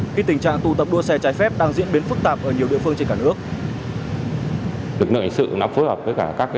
khi tình trạng tụ tập đua xe trái phép đang diễn biến phức tạp ở nhiều địa phương trên cả nước